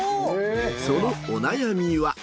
そのお悩みは。